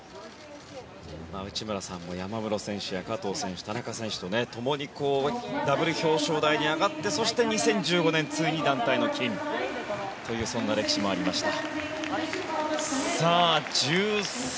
内村さんも山室選手や加藤選手、田中選手とともにダブル表彰台に上がってそして２０１５年に団体の金という歴史もありました。